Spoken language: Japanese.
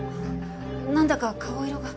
なんだか顔色が。